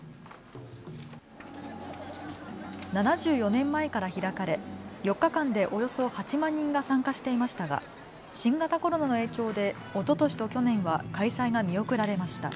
７４年前から開かれ４日間でおよそ８万人が参加していましたが、新型コロナの影響で、おととしと去年は開催が見送られました。